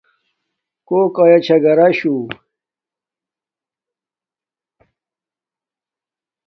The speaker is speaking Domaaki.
کوک آیا چھا گھراشُو